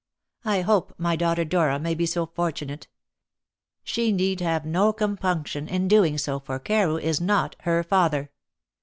I hope my daughter Dora may be so fortunate. She need have no compunction in doing so, for Carew is not her father.